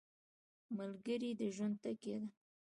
ملګری د ژوند تکیه ده.